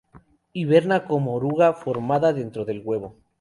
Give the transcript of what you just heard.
Hiberna como oruga formada dentro del huevo.